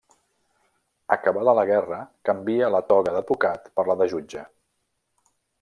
Acabada la Guerra canvia la toga d'advocat per la de jutge.